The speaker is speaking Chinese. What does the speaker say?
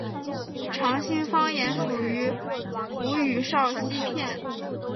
长兴方言属于吴语苕溪片。